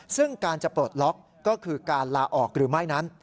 ซึ่งการจะปลดล็อกก็คือการลาออกหรือไม่นั้น